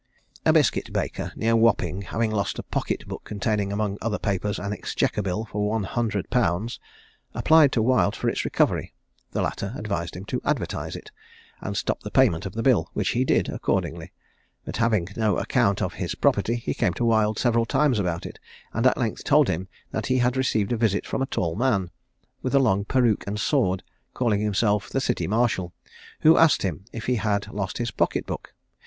"A biscuit baker near Wapping having lost a pocket book containing, among other papers, an exchequer bill for 100_l._, applied to Wild for its recovery: the latter advised him to advertise it, and stop the payment of the bill, which he did accordingly; but having no account of his property, he came to Wild several times about it, and at length told him that he had received a visit from a tall man, with a long peruke and sword, calling himself the city marshal, who asked him if he had lost his pocket book?